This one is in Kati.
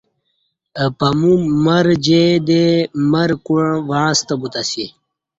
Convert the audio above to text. اہ پاَمو مر جی دی مر کوع وعݩستہ بوتہ اسی